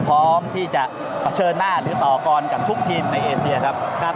แต่ก็ในรอบรัฐฟร้อมได้เชิญหน้าอย่างนี้กับทุกทีมในเอเซียครับ